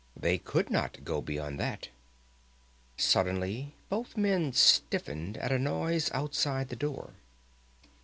They could not go beyond that. Suddenly both men stiffened at a noise outside the door.